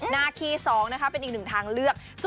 หน้าคีย์๒เป็นอีกหนึ่งทางเลือก